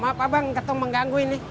maaf abang ketum mengganggu ini